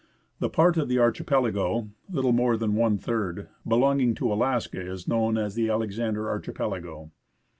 The part of the archipelago (little more than one third) belonging to Alaska is known as the Alexander Archipelago.